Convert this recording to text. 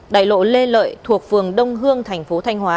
đại lộ lê lợi thuộc phường đông hương thành phố thanh hóa